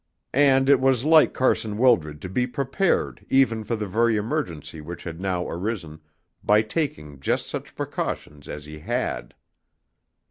And it was like Carson Wildred to be prepared even for the very emergency which had now arisen, by taking just such precautions as he had.